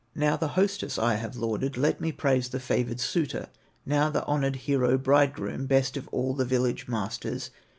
"Now the hostess I have lauded, Let me praise the favored suitor, Now the honored hero bridegroom, Best of all the village masters.